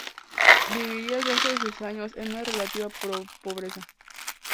Viviría el resto de sus años en una relativa pobreza.